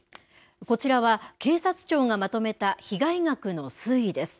こちらは警察庁がまとめた被害額の推移です。